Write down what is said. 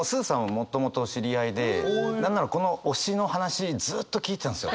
もともと知り合いで何ならこの推しの話ずっと聞いてたんですよ。